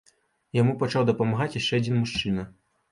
Яму пачаў дапамагаць яшчэ адзін мужчына.